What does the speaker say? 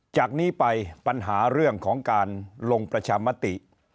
จากนี้ไปปัญหาเรื่องของการลงประชามติ